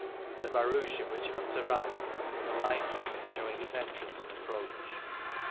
2. The Barouche in which Hunt arrived, the line from it showing its entrance and approach. 3.